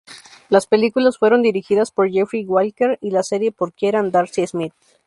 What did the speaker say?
Las películas fueron dirigidas por Jeffrey Walker y la serie por Kieran Darcy-Smith.